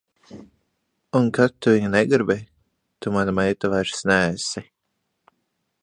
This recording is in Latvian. Un kad tu viņa negribi, tu mana meita vairs neesi.